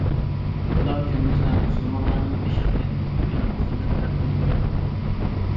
بۇلار كۈنىمىزدە مۇسۇلمانلارنىڭ بېشىغا كەلگەن ئېغىر مۇسىبەتلەردىن بىرىدۇر.